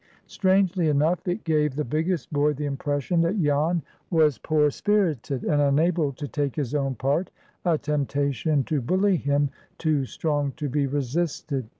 Strangely enough, it gave the biggest boy the impression that Jan was "poor spirited," and unable to take his own part,—a temptation to bully him too strong to be resisted.